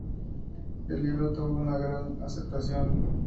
El libro tuvo una gran aceptación.